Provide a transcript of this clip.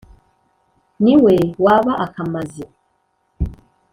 ni we waba akamazi.